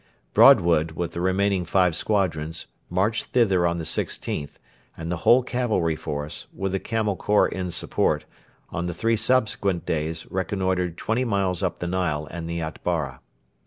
Broadwood, with the remaining five squadrons, marched thither on the 16th; and the whole cavalry force, with the Camel Corps in support, on the three subsequent days reconnoitred twenty miles up the Nile and the Atbara.